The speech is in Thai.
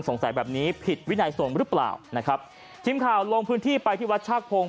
แบบนี้ผิดวินัยสงฆ์หรือเปล่านะครับทีมข่าวลงพื้นที่ไปที่วัดชากพงศ